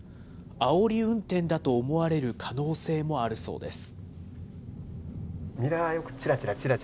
あおり運転だと思われる可能性もあるそうです。